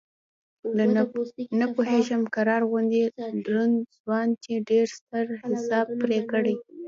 نه پوهېږم قرار غوندې دروند ځوان چې ډېر ستر حساب پرې کړی.